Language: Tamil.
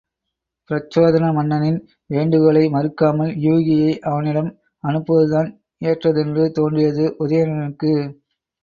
பிரச்சோதன மன்னனின் வேண்டுகோளை மறுக்காமல் யூகியை அவனிடம் அனுப்புவதுதான் ஏற்றதென்று தோன்றியது உதயணனுக்கு.